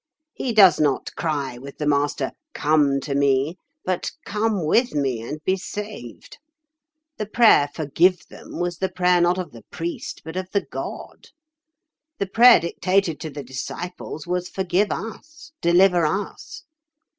He does not cry with the Master, 'Come to Me,' but 'Come with me, and be saved.' The prayer 'Forgive them' was the prayer not of the Priest, but of the God. The prayer dictated to the Disciples was 'Forgive us,' 'Deliver us.